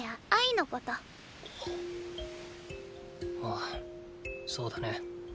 ああそうだね。